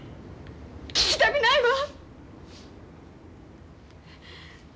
聞きたくないわ！